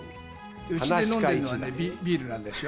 うちで飲んでるのはビールなんですよ。